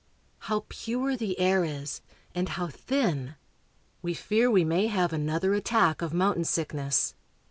How pure the air is, and how thin ! We fear we may have another attack of mountain sickness.